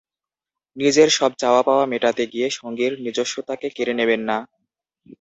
নিজের সব চাওয়া পাওয়া মেটাতে গিয়ে সঙ্গীর নিজস্বতাকে কেড়ে নেবেন না।